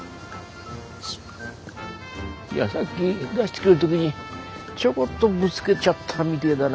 いやさっき出してくる時にちょこっとぶつけちゃったみてえだな。